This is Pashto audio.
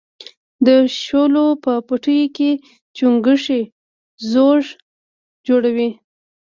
د شولو په پټیو کې چنگښې ځوږ جوړوي.